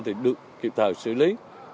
thì được kịp thời xử lý